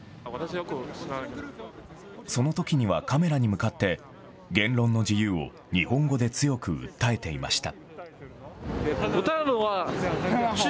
そのときにはカメラに向かって言論の自由を日本語で強く訴えていました。